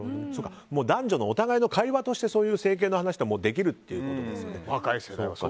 男女のお互いの会話として整形の話とかができるっていうことですね。